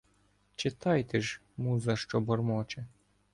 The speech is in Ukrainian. Читайте ж, муза що бормоче: